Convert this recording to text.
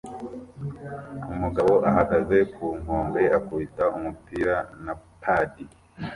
Umugabo ahagaze ku nkombe akubita umupira na padi